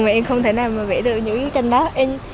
mà em không thể nào mà vẽ được những bức tranh đó